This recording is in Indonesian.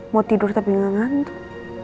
mau tidur tapi gak ngantuk